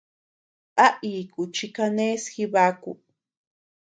¿A iku chi kenés Jibaku?